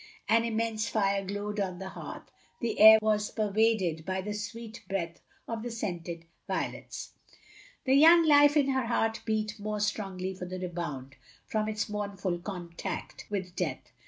An inmiense fire glowed on the hearth; the air was pervaded by the sweet breath of the scented violets. The young life in her heart beat more strongly for the rebound from its mournful contact with death.